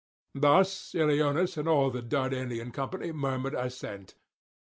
Thus Ilioneus, and all the Dardanian company [560 593]murmured assent.